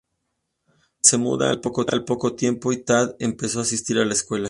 Robert se mudó al poco tiempo, y Tad empezó a asistir a la escuela.